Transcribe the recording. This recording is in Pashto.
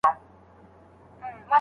څوک د تورو له زخمونو پرزېدلي